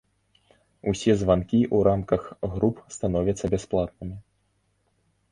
Усе званкі ў рамках груп становяцца бясплатнымі.